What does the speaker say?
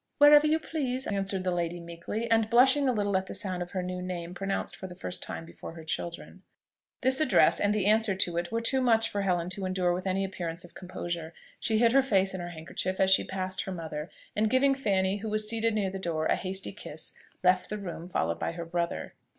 "Wherever you please," answered the lady meekly, and blushing a little at the sound of her new name pronounced for the first time before her children. This address and the answer to it were too much for Helen to endure with any appearance of composure. She hid her face in her handkerchief as she passed her mother, and giving Fanny, who was seated near the door, a hasty kiss, left the room, followed by her brother.